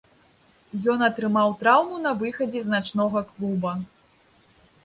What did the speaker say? Ён атрымаў траўму на выхадзе з начнога клуба.